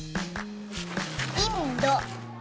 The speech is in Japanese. インド。